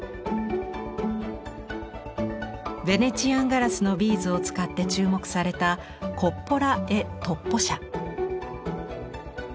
ヴェネチアンガラスのビーズを使って注目されたコッポラ・エ・トッポ社。